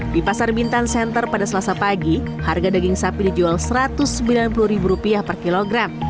di pasar bintan center pada selasa pagi harga daging sapi dijual rp satu ratus sembilan puluh per kilogram